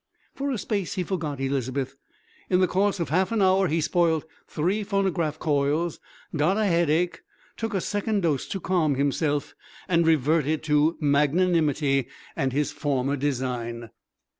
For a space he forgot Elizabeth. In the course of half an hour he spoilt three phonographic coils, got a headache, took a second dose to calm himself, and reverted to magnanimity and his former design.